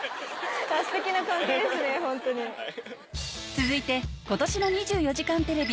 続いて今年の『２４時間テレビ』